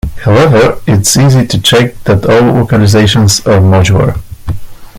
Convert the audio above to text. However, it is easy to check that all localizations are modular.